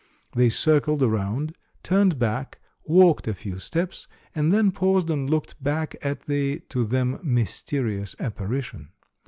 They circled around, turned back, walked a few steps, and then paused and looked back at the, to them, mysterious apparition.